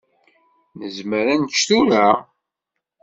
Nezmer ad nečč tura?